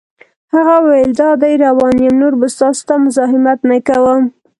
هغه وویل: دادی روان یم، نور به ستاسو ته مزاحمت نه کوم.